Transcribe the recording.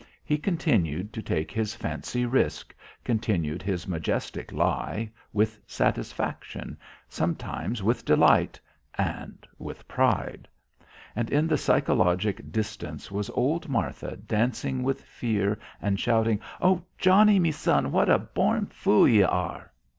He continued to take his fancy risk, continued his majestic lie, with satisfaction, sometimes with delight, and with pride. And in the psychologic distance was old Martha dancing with fear and shouting: "Oh, Johnnie, me son, what a born fool ye are!"